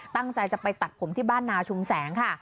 ตั้งใจจะไปตัดผมที่บ้านนาชุมแสงค่ะ